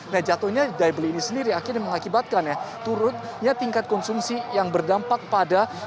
nah jatuhnya daya beli ini sendiri akhirnya mengakibatkan ya turunnya tingkat konsumsi yang berdampak pada